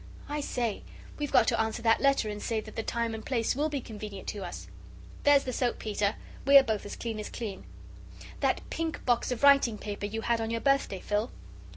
I say we've got to answer that letter and say that the time and place WILL be convenient to us. There's the soap, Peter. WE'RE both as clean as clean. That pink box of writing paper you had on your birthday, Phil."